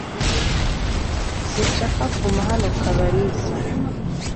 Sinshaka kuguma hano, Kabalisa.